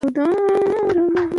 کوچني خوښۍ د ژوند کیفیت ښه کوي.